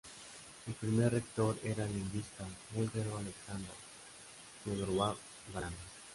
El primer rector era lingüista búlgaro Aleksandar Teodorov-Balan.